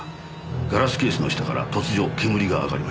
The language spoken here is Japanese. ガラスケースの下から突如煙が上がりました。